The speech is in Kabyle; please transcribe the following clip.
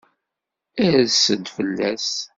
Irs-d fell-as.